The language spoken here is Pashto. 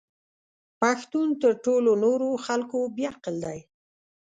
پښتون تر ټولو نورو خلکو بې عقل دی!